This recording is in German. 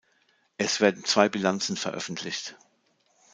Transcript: Es werden zwei Bilanzen veröffentlicht.